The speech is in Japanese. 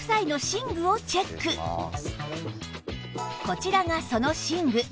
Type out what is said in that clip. こちらがその寝具